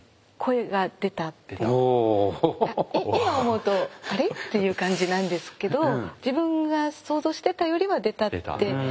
今思うと「あれ？」っていう感じなんですけど自分が想像してたよりは出たって。